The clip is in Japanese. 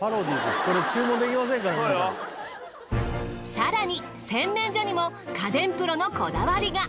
更に洗面所にも家電プロのこだわりが。